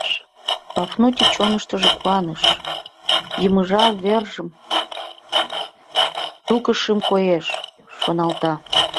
— Пафнутий чоныштыжо куаныш: «Йымыжа вержым тӱкышым, коеш», шоналта.